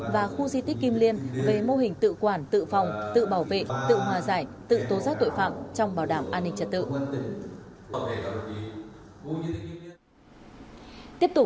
và khu di tích kim liên về mô hình tự quản tự phòng tự bảo vệ tự hòa giải tự tố giác tội phạm trong bảo đảm an ninh trật tự